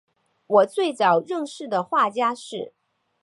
我最早认识的画家是